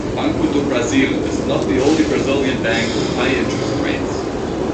Banco do Brazil is not the only Brazilian bank with high interest rates.